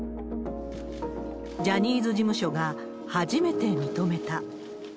ジャニーズ事務所が初めて認めた。